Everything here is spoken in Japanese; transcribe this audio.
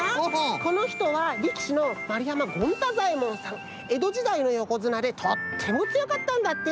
このひとはりきしの丸山権太左衛門さん！えどじだいのよこづなでとってもつよかったんだって！